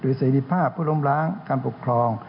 เสรีภาพผู้ล้มล้างการปกครอง